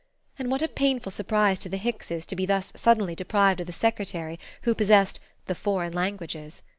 And what a painful surprise to the Hickses to be thus suddenly deprived of the secretary who possessed "the foreign languages"!